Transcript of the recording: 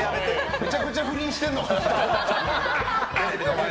めちゃくちゃ不倫してるのかなと。